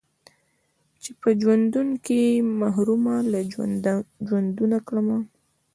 چې په ژوندون کښې يې محرومه له ژوندونه کړمه